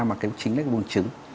mà chính là cái bùng trứng